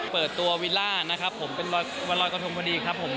เปิดตัววิลล่านะครับผมเป็นวันรอยกระทงพอดีครับผม